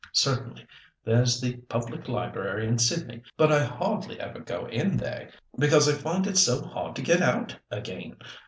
Certainly there's the Public Library in Sydney, but I hardly ever go in there, because I find it so hard to get out again.